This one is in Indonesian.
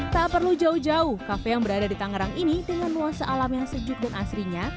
tak perlu jauh jauh kafe yang berada di tangerang ini dengan nuansa alam yang sejuk dan asrinya